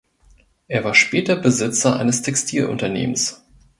Er war später Besitzer eines Textilunternehmens.